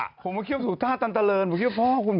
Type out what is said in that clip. ผมก็คิดว่าพี่สุทธาตุตันตะเลินผมคิดว่าพ่อคุณ